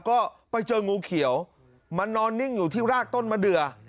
ก็ไปเจองูเขียวมานอนนิ่งอยู่ที่รากต้นมะเดือ